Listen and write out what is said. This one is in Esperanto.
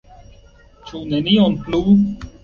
Ĉu nenion plu?